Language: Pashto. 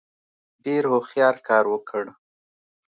ډېر هوښیار کار وکړ.